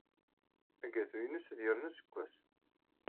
Agatu-nnes ad yernu aseggas.